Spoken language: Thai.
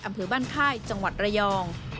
อำเภอบ้านค่ายจังหวัดระยอง